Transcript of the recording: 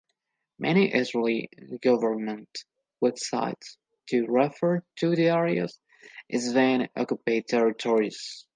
Many Israeli government websites do refer to the areas as being "occupied territories".